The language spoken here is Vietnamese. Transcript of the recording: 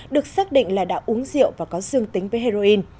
được xác định là đã uống rượu và có dương tính với heroin